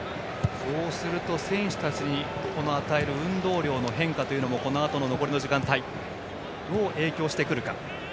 そうすると選手たちに与える、運動量の変化もこのあと、残りの時間帯にどう影響してくるか。